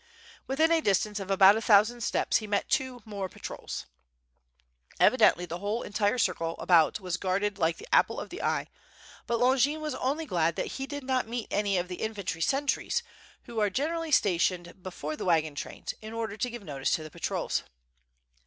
Within a distance of about a thousand steps, he met two more patrols. Evidently the whole entire circle about was guarded like the apple of the eye, but Longin was only glad that he did not meet any of the infantry sentries, who are 762 WITH FIRE AND SWORD, generally stationed before the wagon trains, in order to give notice to the patrols.